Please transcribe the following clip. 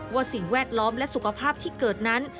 สิ่งแวดล้อมและสุขภาพที่เกิดนั้น